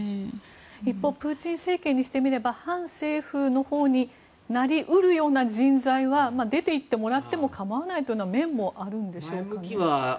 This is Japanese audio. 一方プーチン政権にしてみれば反政府のほうになり得るような人材は出て行ってもらっても構わないという面もあるんでしょうか。